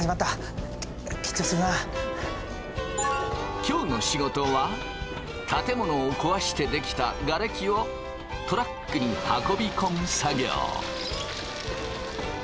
今日の仕事は建物をこわして出来たがれきをトラックに運び込む作業。